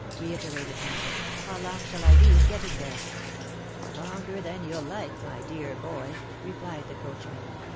reiterated Michael. " How long shall I be in getting there?" " Longer than you'll like, my dear boy," replied the coachman.